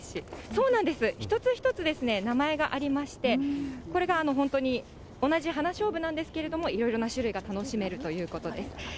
そうなんです、一つ一つですね、名前がありまして、これが本当に同じ花しょうぶなんですけれども、いろいろな種類が楽しめるということです。